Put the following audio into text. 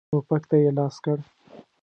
ټوپک ته یې لاس کړ.